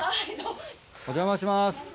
お邪魔します